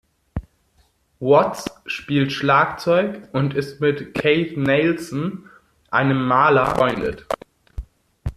Watts spielt Schlagzeug und ist mit Keith Nelson, einem Maler, befreundet.